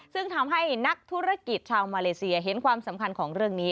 ซึ่งทำให้นักธุรกิจชาวมาเลเซียเห็นความสำคัญของเรื่องนี้